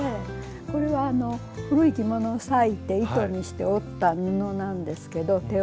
これは古い着物を裂いて糸にして織った布なんですけど手織りの。